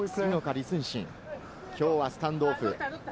李承信、きょうはスタンドオフ。